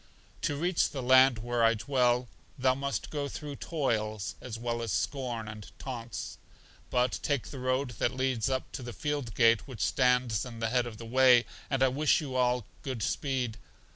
To reach the land where I dwell, thou must go through toils, as well as scorn and taunts. But take the road that leads up to the field gate which stands in the head of the way; and I wish you all good speed.